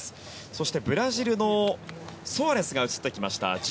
そしてブラジルのソアレスが映ってきました。